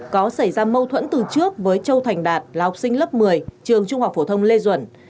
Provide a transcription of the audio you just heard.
có xảy ra mâu thuẫn từ trước với châu thành đạt là học sinh lớp một mươi trường trung học phổ thông lê duẩn